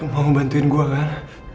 mau bantuin gua kan